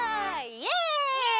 イエイ！